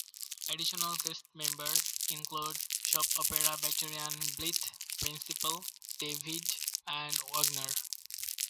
Additional cast members included soap opera veterans Bleeth, Principal, David, and Wagner.